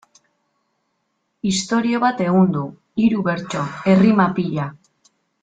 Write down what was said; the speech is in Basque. Istorio bat ehundu, hiru bertso, errima pila...